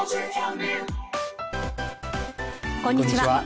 こんにちは。